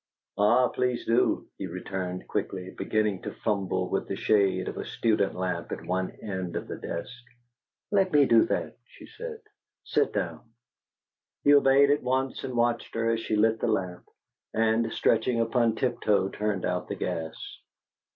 "Ah, please do!" he returned, quickly, beginning to fumble with the shade of a student lamp at one end of the desk. "Let me do that," she said. "Sit down." He obeyed at once, and watched her as she lit the lamp, and, stretching upon tiptoe, turned out the gas.